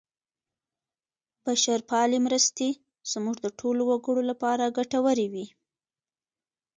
بشرپالې مرستې زموږ د ټولو وګړو لپاره ګټورې وې.